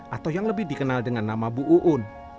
atau yang lebih dikenal dengan nama bu uun